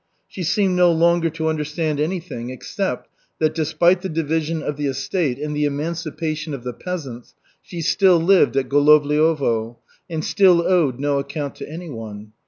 She seemed no longer to understand anything except that, despite the division of the estate and the emancipation of the peasants, she still lived at Golovliovo and still owed no account to anyone.